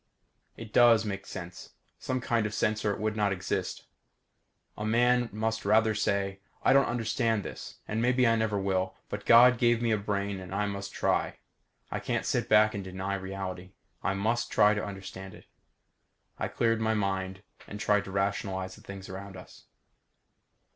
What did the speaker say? _ It does make sense some kind of sense or it would not exist. A man must say rather: _I don't understand this and maybe I never will but God gave me a brain and I must try. I can't sit back and deny reality. I must try to understand it._ I cleared my mind and tried to rationalize the things around us.